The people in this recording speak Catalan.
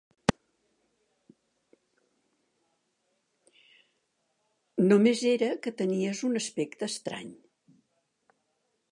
Només era que tenies un aspecte estrany.